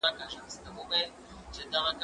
ايا ته کتابتون ته ځې!.